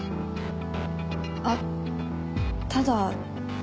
あっただ。